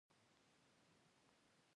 د مڼې په ونه ناک پیوند کیږي؟